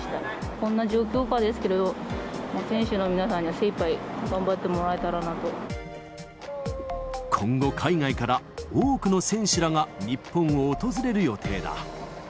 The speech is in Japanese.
こんな状況下ですけれども、選手の皆さんには、精いっぱい頑今後、海外から、多くの選手らが日本を訪れる予定だ。